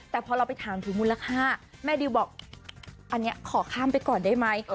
แต่พอเราไปถามถึงมูลค่าแม่ดิวบอกอันนี้ขอข้ามไปก่อนได้ไหม